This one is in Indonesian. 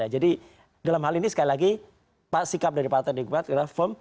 jadi dalam hal ini sekali lagi sikap dari partai demokrati adalah